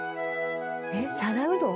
えっ？皿うどん？